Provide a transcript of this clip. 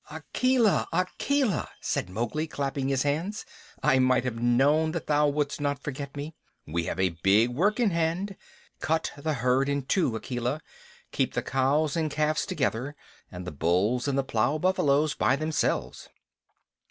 "Akela! Akela!" said Mowgli, clapping his hands. "I might have known that thou wouldst not forget me. We have a big work in hand. Cut the herd in two, Akela. Keep the cows and calves together, and the bulls and the plow buffaloes by themselves."